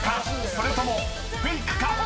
それともフェイクか？］